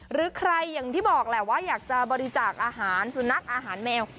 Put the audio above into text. หรือใครอย่างที่บอกแหละว่าอยากจะบริจาคอาหารสุนัขอาหารแมว